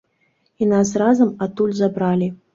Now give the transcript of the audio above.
І нас разам адтуль забралі.